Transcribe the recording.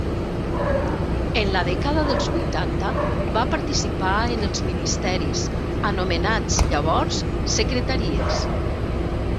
En la dècada dels vuitanta va participar en els ministeris, anomenats llavors secretaries.